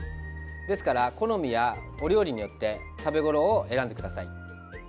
ですから、好みやお料理によって食べ頃を選んでください。